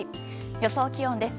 予想気温です。